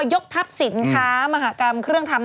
ยกทัพสินค้ามหากรรมเครื่องทำ